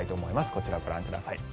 こちら、ご覧ください。